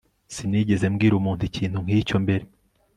Sinigeze mbwira umuntu ikintu nkicyo mbere